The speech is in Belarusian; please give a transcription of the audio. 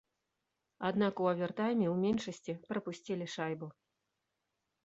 Аднак у авертайме ў меншасці прапусцілі шайбу.